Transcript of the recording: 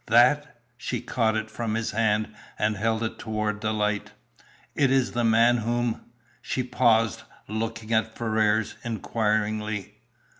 "That!" She caught it from his hand, and held it toward the light. "It is the man whom " She paused, looking at Ferrars, inquiringly.